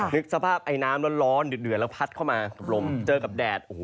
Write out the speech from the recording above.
นึกสภาพไอน้ำมันร้อนหยุดและพัดเข้ามาอันลมเจอกับแดดโอ้โห